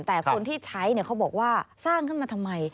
แต่คนที่ใช้เขาบอกว่าสร้างขึ้นมาทำไม